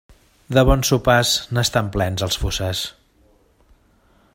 De bons sopars, n'estan plens els fossars.